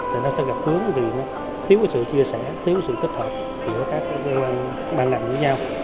thì nó sẽ gặp hướng vì nó thiếu cái sự chia sẻ thiếu sự kết hợp giữa các cơ quan ban ngành với nhau